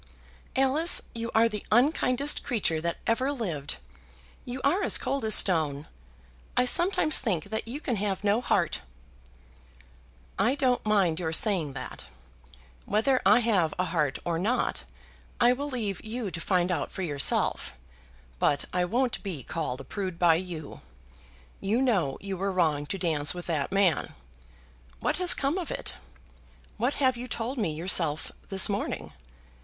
"Alice, you are the unkindest creature that ever lived. You are as cold as stone. I sometimes think that you can have no heart." "I don't mind your saying that. Whether I have a heart or not I will leave you to find out for yourself; but I won't be called a prude by you. You know you were wrong to dance with that man. What has come of it? What have you told me yourself this morning?